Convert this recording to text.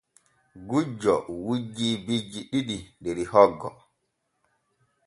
Gujjo wujji bijji ɗiɗi der hoggo.